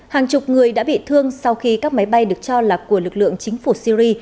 hàng chục người đã bị thương sau khi các máy bay được cho là của lực lượng chính phủ syri